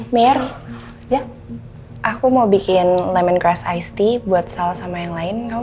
mir ya aku mau bikin lemongrass ice tea buat salah sama yang lain kamu